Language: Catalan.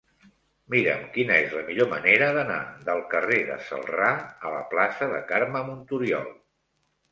Mira'm quina és la millor manera d'anar del carrer de Celrà a la plaça de Carme Montoriol.